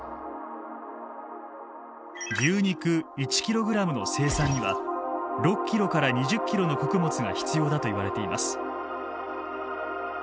牛肉１ｋｇの生産には６ｋｇから２０ｋｇの穀物が必要だといわれています。